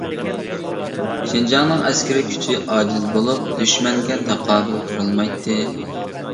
شىنجاڭنىڭ ئەسكىرىي كۈچى ئاجىز بولۇپ، دۈشمەنگە تاقابىل تۇرالمايتتى.